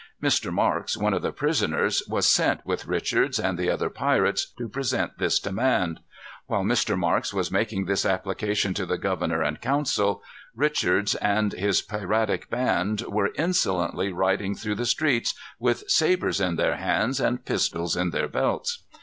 Mr. Marks, one of the prisoners, was sent with Richards and the other pirates to present this demand. While Mr. Marks was making this application to the governor and council, Richards and his piratic gang were insolently riding through the streets, with sabres in their hands and pistols in their belts.